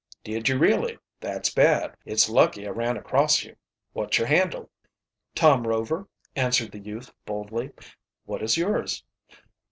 "Did you, really? That's bad. It's lucky I ran across you. What's your handle?" "Tom Rover," answered the youth boldly. "What is yours?"